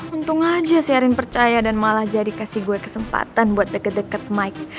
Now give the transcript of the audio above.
untung aja sherin percaya dan malah jadi kasih gue kesempatan buat deket deket mike